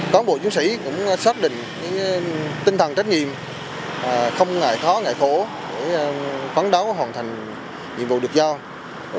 các bộ chứng sĩ cũng xác định tinh thần trách nhiệm không ngại khó ngại khổ để phán đấu hoàn thành nhiệm vụ được giao